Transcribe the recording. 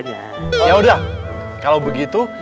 yaudah kalau begitu